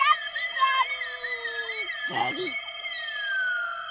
じゃり。